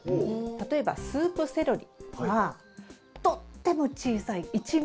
例えばスープセロリはとっても小さい１ｍｍ以下。